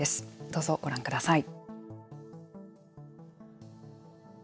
どうぞご覧ください。